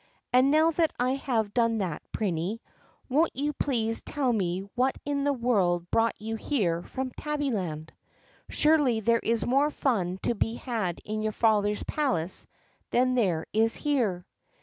"And now that I have done that, Prinny, won't you please tell me what in the world brought you here from Tabbyland? Surely there is more fun to be had in your father's palace than there is here."